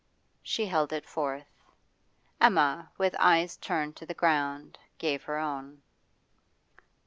She held it forth; Emma, with eyes turned to the ground, gave her own.